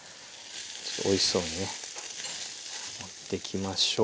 おいしそうにね盛っていきましょう。